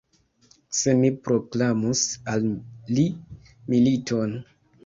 Se mi proklamus al li militon!